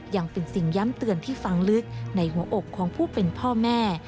ยังเป็นสิ่งย้ำเตือนที่ฟังลึกในหัวอกของผู้เป็นพ่อแม่